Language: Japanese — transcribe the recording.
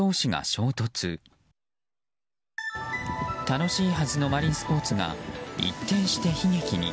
楽しいはずのマリンスポーツが一転して悲劇に。